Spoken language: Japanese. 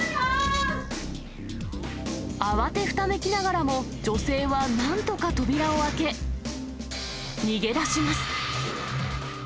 慌てふためきながらも、女性はなんとか扉を開け、逃げ出します。